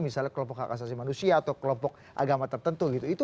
misalnya kelompok akasasi manusia atau kelompok agama tertentu gitu